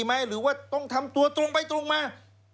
หรือว่าต้องทำตัวตรงไปตรงมา